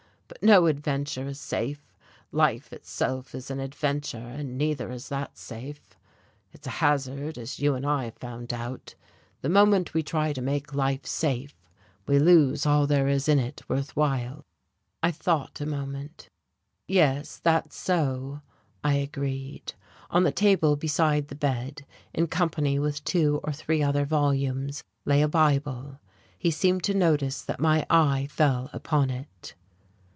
But no adventure is safe life itself is an adventure, and neither is that safe. It's a hazard, as you and I have found out. The moment we try to make life safe we lose all there is in it worth while." I thought a moment. "Yes, that's so," I agreed. On the table beside the bed in company with two or three other volumes, lay a Bible. He seemed to notice that my eye fell upon it.